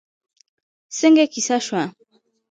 څنګه کېسه شوه؟